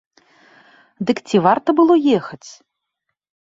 Дык ці варта было ехаць?